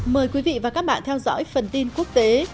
mời quý vị và các bạn theo dõi phần tin quốc tế